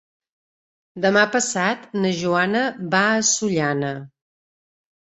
Demà passat na Joana va a Sollana.